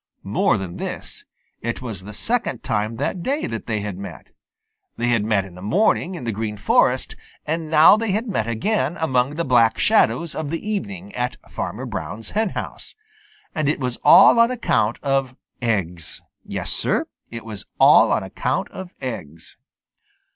More than this, it was the second time that day that they had met. They had met in the morning in the Green Forest and now they had met again among the Black Shadows of the evening at Farmer Brown's henhouse. And it was all on account of eggs. Yes, Sir, it was all on account of eggs.